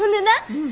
うん。